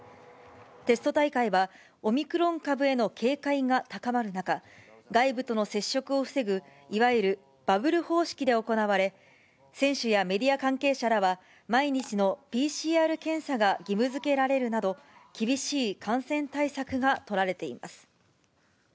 テスト大会はオミクロン株への警戒が高まる中、外部との接触を防ぐ、いわゆるバブル方式で行われ、選手やメディア関係者らは、毎日のＰＣＲ検査が義務づけられるなど、厳しい感染対策が取られています。